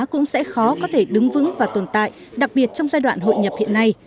cũng sẽ khó có thể đứng vững và tồn tại đặc biệt trong giai đoạn hội nhập hiện nay